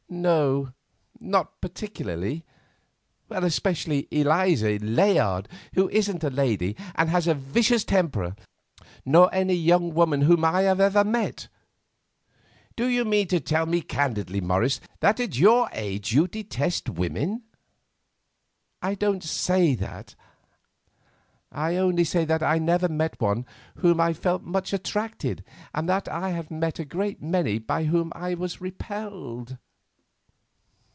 "No, not particularly—especially Eliza Layard, who isn't a lady, and has a vicious temper—nor any young woman whom I have ever met." "Do you mean to tell me candidly, Morris, that at your age you detest women?" "I don't say that; I only say that I never met one to whom I felt much attracted, and that I have met a great many by whom I was repelled."